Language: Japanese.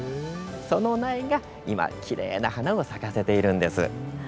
その苗が今きれいな花を咲かせているんです。